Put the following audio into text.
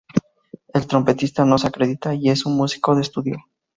El trompetista no se acredita y es un músico de estudio.